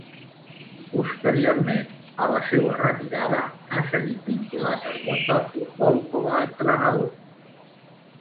Posteriorment a la seua retirada, ha seguit vinculat al món del futbol com a entrenador.